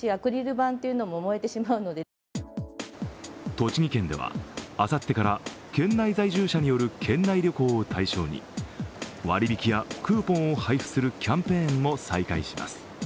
栃木県ではあさってから、県内在住者による、県内旅行を対象に割り引きやクーポンを配布するキャンペーンも再開します。